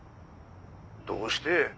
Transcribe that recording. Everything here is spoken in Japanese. ☎どうして？